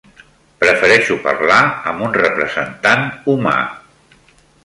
Prefereixo parlar amb un representant humà.